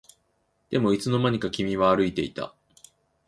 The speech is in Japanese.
でもいつの間にか君は歩いていた